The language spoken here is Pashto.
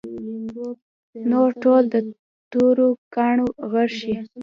نور ټول د تورو کاڼو غر شي.